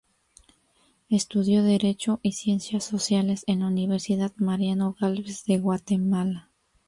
Estudió derecho y ciencias sociales en la Universidad Mariano Gálvez de Guatemala.